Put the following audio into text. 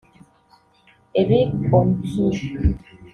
Eric On Key